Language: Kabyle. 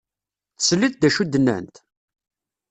Tesliḍ d acu i d-nnant?